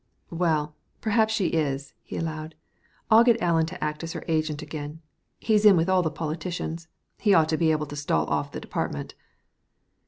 "Well, perhaps she is," he allowed. "I'll get Alien to act as her agent again. He's in with all the politicians; he ought to be able to stall off the department."